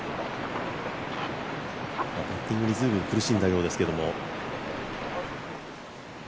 パッティングに随分苦しんだようですけども。